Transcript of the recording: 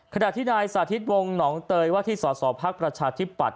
ขณะที่ใดสาธิตวงร์หำเตยว่าที่สอสอพักพระชาชนที่ปัด